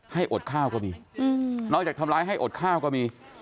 ให้อดข้าวก็มีนอกจากทำร้ายให้อดข้าวก็มี